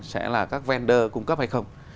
sẽ là các vendor cung cấp hay không